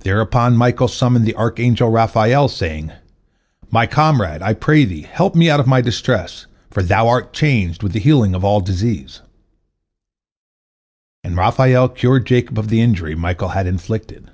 Thereupon Michael summoned the archangel Raphael, saying, "My comrade, I pray thee, help me out of my distress, for thou art charged with the healing of all disease," and Raphael cured Jacob of the injury Michael had inflicted.